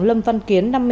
lâm văn kiến